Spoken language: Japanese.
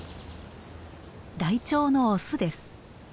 ライチョウのオスです。